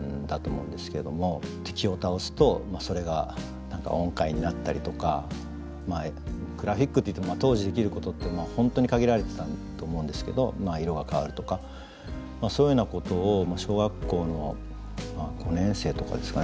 敵を倒すとそれが音階になったりとかまあグラフィックといっても当時できることって本当に限られてたと思うんですけど色が変わるとかそういうようなことを小学校の５年生とかですかね